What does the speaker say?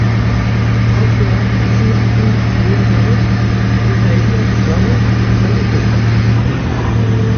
Autoak su hartu duen arren, ez da inor larri zauritu.